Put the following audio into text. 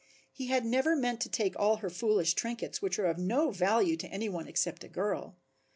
He had never meant to take all her foolish trinkets which were of no value to any one except a girl.